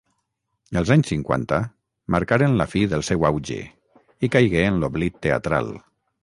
Els anys cinquanta marcaren la fi del seu auge i caigué en l'oblit teatral.